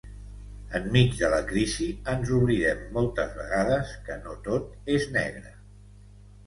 Enmig de la crisi, ens oblidem moltes vegades que no tot és negre.